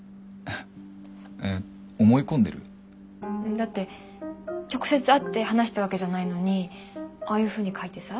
だって直接会って話したわけじゃないのにああいうふうに書いてさ。